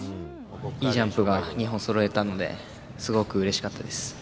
いいジャンプが２本そろえられたので、すごくうれしかったです。